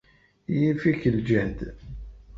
Yif-ik ljehd.